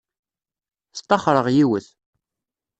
Staxṛeɣ yiwet.